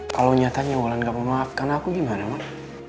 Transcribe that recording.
kalau nyatanya wulan gak mau maafkan aku gimana man